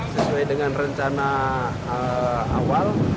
sesuai dengan rencana awal